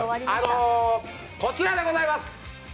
こちらでございます。